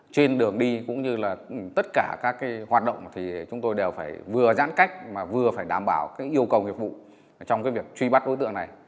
trên đường đi cũng như là tất cả các cái hoạt động thì chúng tôi đều phải vừa giãn cách mà vừa phải đảm bảo cái yêu cầu hiệp vụ trong cái việc truy bắt đối tượng này